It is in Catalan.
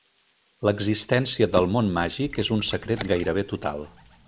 L'existència del món màgic és un secret gairebé total.